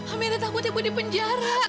amiran takut ibu di penjara